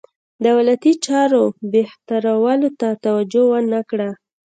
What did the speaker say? دولتي چارو بهترولو ته توجه ونه کړه.